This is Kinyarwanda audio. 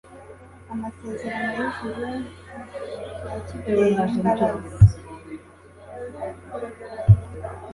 Amasezerano y'ijuru rya kibyeyi n'imbabazi